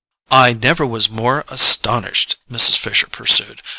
"I never was more astonished," Mrs. Fisher pursued.